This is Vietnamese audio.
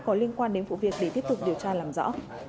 có liên quan đến vụ việc để tiếp tục điều tra làm rõ